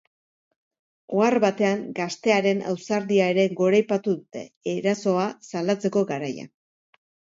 Ohar batean, gaztearen ausardia ere goraipatu dute, erasoa salatzeko garaian.